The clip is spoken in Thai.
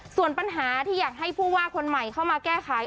ส่วนปัญหาที่อยากให้ผู้ว่าคนใหม่เข้ามาแก้ไข